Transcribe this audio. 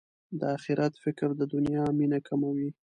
د اخرت فکر د دنیا مینه کموي.